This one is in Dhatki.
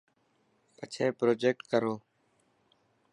پڇي پروجيڪٽ ڪرو.